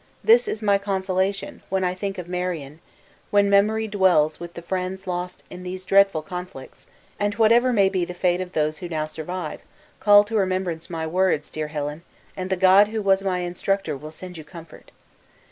This is my consolation, when I think of Marion when memory dwells with the friends lost in these dreadful conflicts; and whatever may be the fate of those who now survive, call to remembrance my words, dear Helen, and the God who was my instructor will send you comfort."